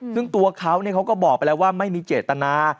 ซึ่งตัวเขาเขาก็บอกไปแล้วว่าไม่มีเจตนา